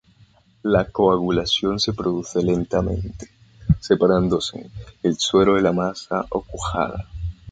La coagulación se produce lentamente, separándose el suero de la masa o cuajada.